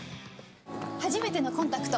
初めてのコンタクト。